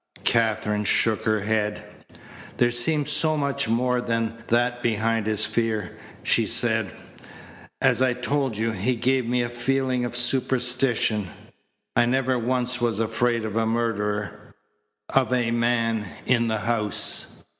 Katherine shook her head. "There seemed so much more than that behind his fear," she said. "As I've told you, he gave me a feeling of superstition. I never once was afraid of a murderer of a man in the house.